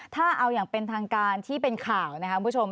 ถ้าเอาอย่างเป็นทางการที่เป็นข่าวนะครับคุณผู้ชม